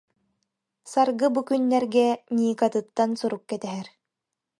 Саргы бу күннэргэ Никатыттан сурук кэтэһэр